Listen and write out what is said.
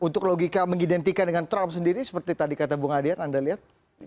untuk logika mengidentikan dengan trump sendiri seperti tadi kata bung adian anda lihat